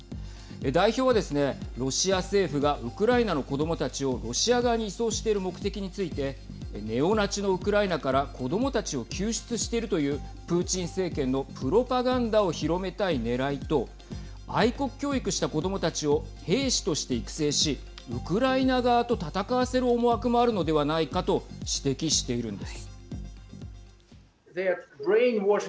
代表はですね、ロシア政府がウクライナの子どもたちをロシア側に移送している目的についてネオナチのウクライナから子どもたちを救出しているというプーチン政権のプロパガンダを広めたいねらいと愛国教育した子どもたちを兵士として育成しウクライナ側と戦わせる思惑もあるのではないかと指摘しているんです。